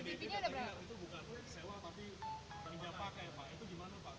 pdp nya itu bukan sewa tapi pinjam pakai pak